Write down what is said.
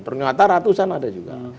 ternyata ratusan ada juga